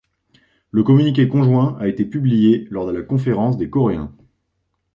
Le communiqué conjoint a été publié lors de la conférence des Coréens.